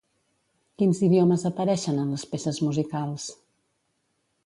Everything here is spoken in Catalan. Quins idiomes apareixen en les peces musicals?